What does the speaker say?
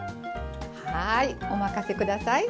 はいお任せ下さい。